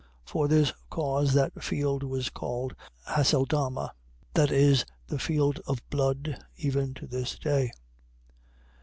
27:8. For this cause that field was called Haceldama, that is, the field of blood, even to this day.